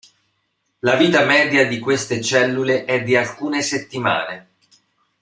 La vita media di queste cellule è di alcune settimane.